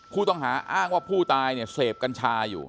ผู้ต้องหาอ้างว่าผู้ตายเนี่ยเสพกัญชาอยู่